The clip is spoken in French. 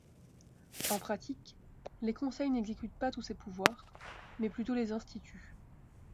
En pratique, les conseils n’exécutent pas tous ces pouvoirs, mais plutôt les instituent.